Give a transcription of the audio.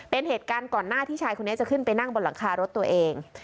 เป็นเหตุการณ์ก่อนหน้าที่ชายคนนี้จะขึ้นไปนั่งบนหลังคารถตัวเอง